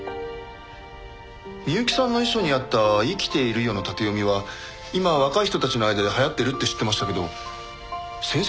美雪さんの遺書にあった「いきているよ」の縦読みは今若い人たちの間で流行ってるって知ってましたけど先生